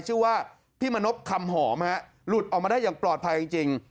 ชื่อว่าพี่มณพคำหอมฮะหลุดออกมาได้อย่างปลอดภัยจริง